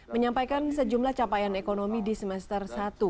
menyampaikan sejumlah capaian ekonomi di semester satu dua ribu delapan belas